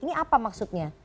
ini apa maksudnya